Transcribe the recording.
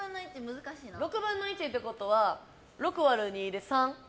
６分の１ってことは６割る２で、３。